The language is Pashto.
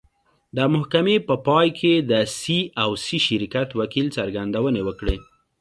د محکمې په پای کې د سي او سي شرکت وکیل څرګندونې وکړې.